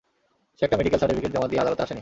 সে একটা medical certificate জমা দিয়ে আদালতে আসেনি।